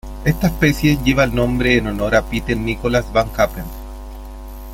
Esta especie lleva el nombre en honor a Pieter Nicolaas van Kampen.